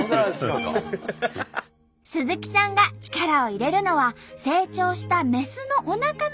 鈴木さんが力を入れるのは成長したメスのおなかの中に出来る卵